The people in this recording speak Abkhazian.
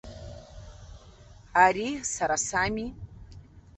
Ари сара сами.